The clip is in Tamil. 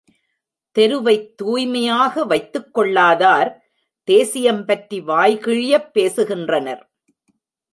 தெருவைத் தூய்மையாக வைத்துக் கொள்ளாதார், தேசியம் பற்றி வாய் கிழியப் பேசுகின்றனர்.